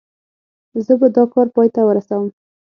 زه به دا کار پای ته ورسوم.